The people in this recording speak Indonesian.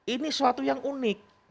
ini suatu yang unik